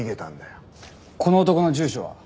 この男の住所は？